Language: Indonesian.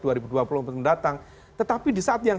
yang akan datang tetapi di saat yang